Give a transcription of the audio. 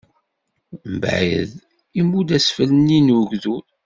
Mbeɛd, imudd asfel-nni n ugdud.